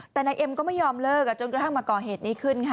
แต่นายเอ็มก็ไม่ยอมเลิกจนกระทั่งมาก่อเหตุนี้ขึ้นค่ะ